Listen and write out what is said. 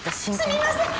すみません！